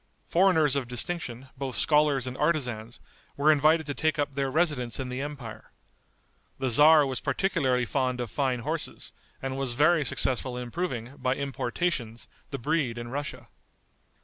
Foreigners of distinction, both scholars and artisans, were invited to take up their residence in the empire. The tzar was particularly fond of fine horses, and was very successful in improving, by importations, the breed in Russia.